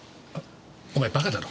お前バカだろ。